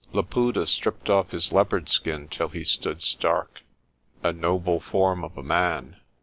Laputa stripped off his leopard skin till he stood stark, a noble form of a man.